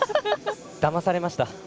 だまされました。